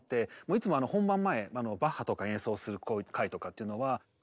いつも本番前バッハとか演奏する会とかっていうのはえっ！